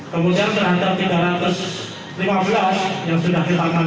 kemudian terhadap tiga ratus lima belas yang sudah ditangkap